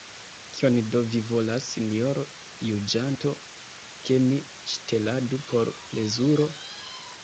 Kion do vi volas, sinjoro juĝanto, ke mi ŝteladu por plezuro?